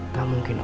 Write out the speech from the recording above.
gak mungkin om